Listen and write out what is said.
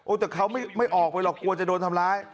แต่เขาไม่ออกไปหรอกกลัวจะโดนทำร้าย